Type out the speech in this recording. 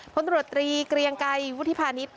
พลตรวจตรีเกรียงไกรวุฒิพาณิชย